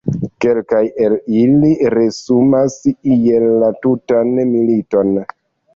Kelkaj el ili resumas iel la tutan militon.